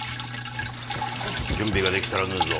準備ができたら縫うぞ。